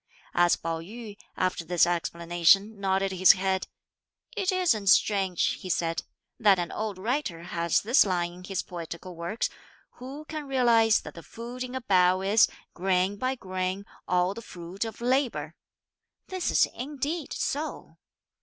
As Pao yü, after this explanation, nodded his head; "It isn't strange," he said, "that an old writer has this line in his poetical works, 'Who can realise that the food in a bowl is, grain by grain, all the fruit of labour.' This is indeed so!"